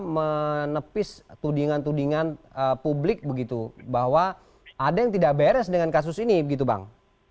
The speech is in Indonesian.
menepis tudingan tudingan publik begitu bahwa ada yang tidak beres dengan kasus ini begitu bang